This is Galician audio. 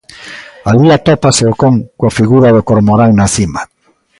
Alí atópase o con coa figura do cormorán na cima.